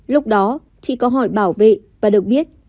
lúc đó chị có hỏi bảo vệ và được biết